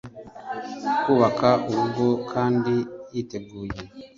kubaka urugo kandi yiteguye